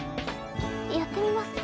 やってみますか？